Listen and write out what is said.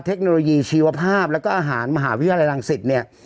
เทคโนโลยีชีวภาพแล้วก็อาหารมหาวิทยาลัยรังสิตเนี่ย